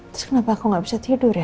terus kenapa aku nggak bisa tidur ya